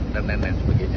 dan lain lain sebagainya